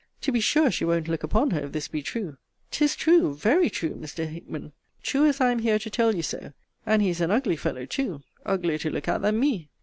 To be sure she won't look upon her, if this be true! 'Tis true, very true, Mr. Hickman! True as I am here to tell you so! And he is an ugly fellow too; uglier to look at than me.